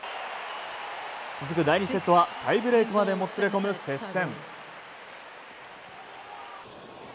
続く第２セットはタイブレークまでもつれ込む接戦。